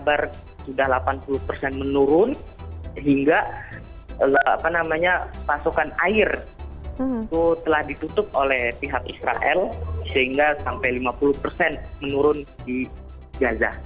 kabar sudah delapan puluh persen menurun hingga pasokan air itu telah ditutup oleh pihak israel sehingga sampai lima puluh persen menurun di gaza